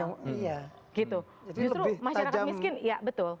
justru masyarakat miskin ya betul